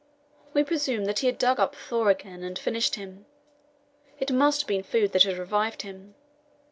We presumed that he had dug up Thor again, and finished him. It must have been food that had revived him.